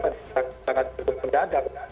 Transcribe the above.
karena kebijakan itu sangat cukup mendadak